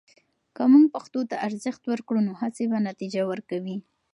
که موږ پښتو ته ارزښت ورکړو، نو هڅې به نتیجه ورکوي.